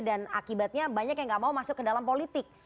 dan akibatnya banyak yang gak mau masuk ke dalam politik